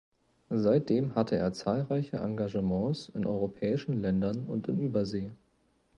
Seitdem hatte er zahlreiche Engagements in europäischen Ländern und in Übersee.